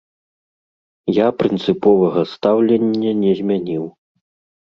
Я прынцыповага стаўлення не змяніў.